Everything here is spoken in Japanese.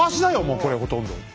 もうこれほとんど。